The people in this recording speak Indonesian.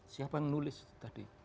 siapa yang nulis tadi